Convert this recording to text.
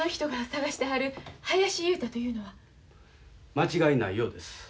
間違いないようです。